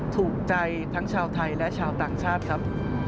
ถูกใจทั้งชาวไทยและชาวต่างชาติครับ